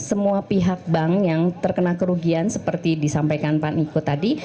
semua pihak bank yang terkena kerugian seperti disampaikan pak niko tadi